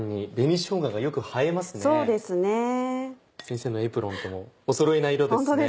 先生のエプロンともおそろいな色ですね。